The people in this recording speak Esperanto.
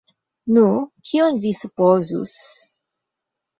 Nu, kion vi supozus?!